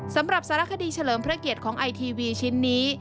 สำหรับสารคดีเฉลิมพระเกียรติของไอทีวีชิ้นนี้